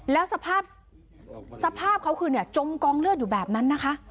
แล้วสภาพเขาคือจมกองเลือดอยู่แบบนั้นนะคะ